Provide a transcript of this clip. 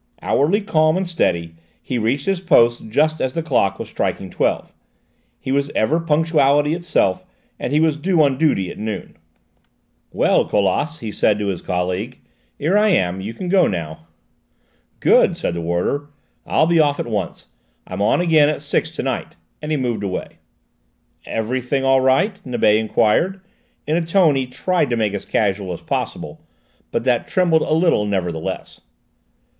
Outwardly calm and steady, he reached his post just as the clock was striking twelve; he was ever punctuality itself, and he was due on duty at noon. "Well, Colas," he said to his colleague, "here I am; you can go now." "Good!" said the warder. "I'll be off at once. I'm on again at six to night," and he moved away. "Everything all right?" Nibet enquired, in a tone he tried to make as casual as possible, but that trembled a little nevertheless.